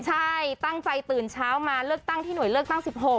ใช่ตั้งใจตื่นเช้ามาเลือกตั้งที่หน่วยเลือกตั้ง๑๖